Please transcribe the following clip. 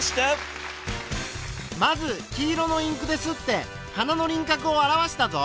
まず黄色のインクで刷って花の輪かくを表したぞ！